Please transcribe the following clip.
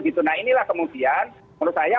gitu nah inilah kemudian menurut saya